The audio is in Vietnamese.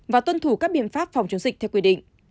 và tuân thủ các biện pháp phòng chống dịch theo quy định